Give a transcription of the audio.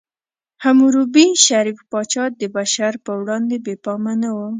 حموربي، شریف پاچا، د بشر په وړاندې بې پامه نه و.